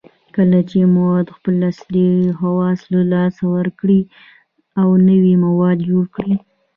کله چې مواد خپل اصلي خواص له لاسه ورکړي او نوي مواد جوړ کړي